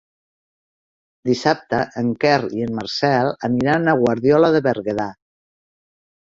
Dissabte en Quer i en Marcel aniran a Guardiola de Berguedà.